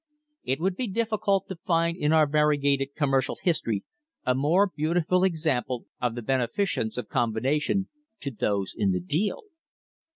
It would be difficult to find in our variegated commercial history a more beautiful example of the benefi cence of combination to those in the deal!